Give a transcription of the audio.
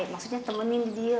maksudnya temenin di dia